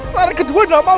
saran kedua gak mau